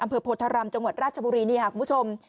อำเภอโพธรรมจังหวัดราชบุรีคุณผู้ชม